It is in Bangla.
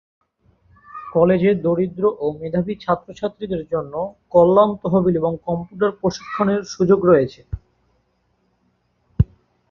কলেজে দরিদ্র ও মেধাবী ছাত্রছাত্রীদের জন্য কল্যাণ তহবিল এবং কম্পিউটার প্রশিক্ষণের সুযোগ রয়েছে।